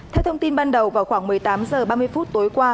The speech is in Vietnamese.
theo thông tin ban đầu vào khoảng một mươi tám h ba mươi phút tối qua